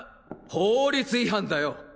法律違反だよ！